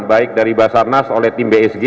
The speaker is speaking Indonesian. baik dari basarnas oleh tim bsg